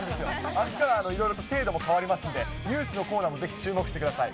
あすからいろいろと制度も変わりますんで、ニュースのコーナーも、ぜひ注目してください。